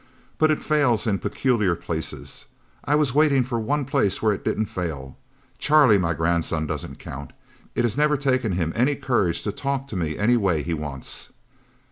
But it fails in peculiar places. I was waiting for one place where it didn't fail. Charlie, my grandson, doesn't count. It has never taken him any courage to talk to me any way he wants."